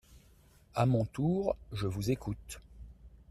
À mon tour, je vous écoute.